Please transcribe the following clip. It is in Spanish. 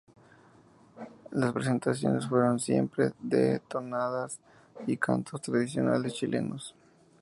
Las presentaciones fueron siempre de tonadas y cantos tradicionales chilenos.